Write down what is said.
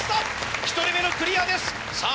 １人目のクリアですさぁ